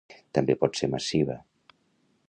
També pot ser massiva.